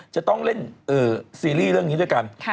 จะต้องเล่นซีรีส์เรื่องนี้ด้วยกัน